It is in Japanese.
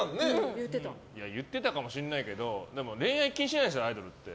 言ってたかもしれないけどでも、恋愛禁止なんでしょアイドルって。